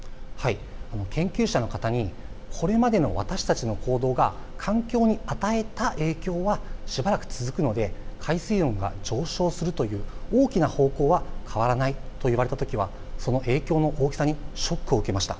研究者の方にこれまでの私たちの行動が環境に与えた影響はしばらく続くので海水温が上昇するという大きな方向は変わらないと言われたときはその影響の大きさにショックを受けました。